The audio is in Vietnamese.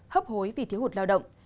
hấp hối vì thiếu hụt lao động